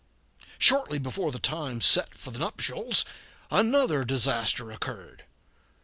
Shortly before the time set for the nuptials another disaster occurred.